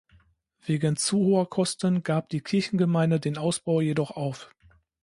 Wegen zu hoher Kosten gab die Kirchengemeinde den Ausbau jedoch auf.